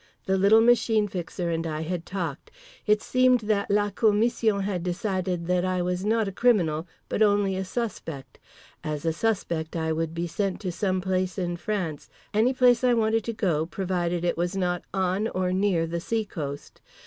The little Machine Fixer and I had talked. It seemed that la commission had decided that I was not a criminal, but only a suspect. As a suspect I would be sent to some place in France, any place I wanted to go, provided it was not on or near the sea coast.